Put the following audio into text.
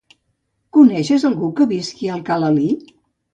Coneixes algú que visqui a Alcalalí?